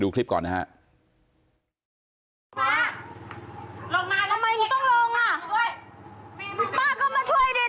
กูยอดติดทุก๖ปี